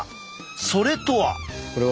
それとは。